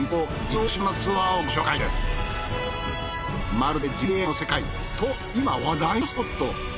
まるでジブリ映画の世界と今話題のスポット。